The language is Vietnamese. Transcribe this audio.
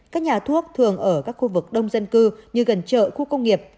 các nhà thuốc thường ở các khu vực đông dân cư như gần chợ khu công nghiệp